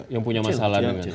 yang punya masalah